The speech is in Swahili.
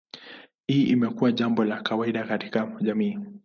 Hii imekuwa jambo la kawaida katika jamii.